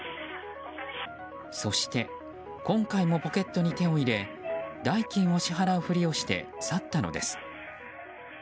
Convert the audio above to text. そして今回もポケットに手を入れ代金を支払うふりをして去ったのです。